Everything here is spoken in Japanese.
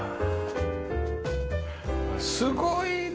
すごいね！